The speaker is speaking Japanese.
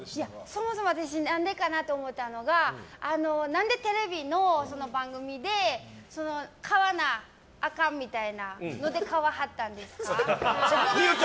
そもそも何でかなと思ったのが何でテレビの番組で買わなあかんみたいなので買わはったんですか？